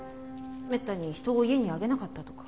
めったに人を家に上げなかったとか？